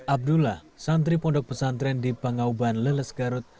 abdullah santri pondok pesantren di pangauban leles garut